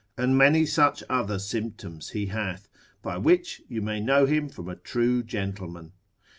and many such other symptoms he hath, by which you may know him from a true gentleman.